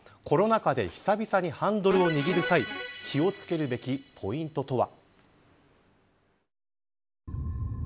コロナ禍で久々にハンドルを握る際、気を付けるべきポイントとは。